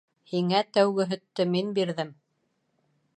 — Һиңә тәүге һөттө мин бирҙем.